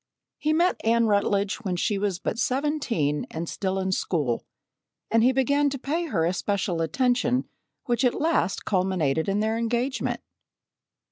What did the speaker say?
He met Anne Rutledge when she was but seventeen and still in school, and he began to pay her especial attention which at last culminated in their engagement.